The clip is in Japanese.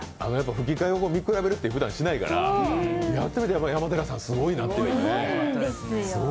吹き替えと見比べるって、ふだんしないから、やっぱ山寺さんすごいなって。